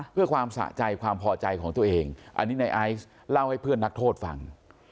เพื่อความสะใจความพอใจของตัวเองอันนี้ในไอซ์เล่าให้เพื่อนนักโทษฟัง